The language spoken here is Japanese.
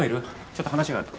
ちょっと話がある。